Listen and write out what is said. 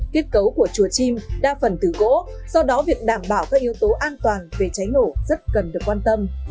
kết cấu của chùa chim đa phần từ gỗ do đó việc đảm bảo các yếu tố an toàn về cháy nổ rất cần được quan tâm